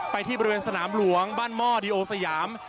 ที่บริเวณสนามหลวงบ้านหม้อดีโอสยาม